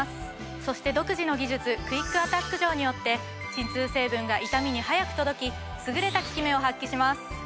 そして独自の技術クイックアタック錠によって鎮痛成分が痛みに速く届き優れた効き目を発揮します。